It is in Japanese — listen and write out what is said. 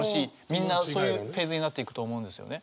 みんなそういうフェーズになっていくと思うんですよね。